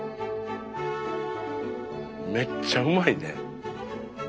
めっちゃうまいね。